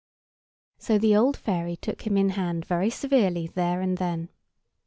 So the old fairy took him in hand very severely there and then.